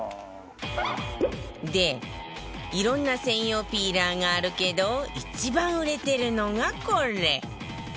でいろんな専用ピーラーがあるけど一番売れてるのがこれ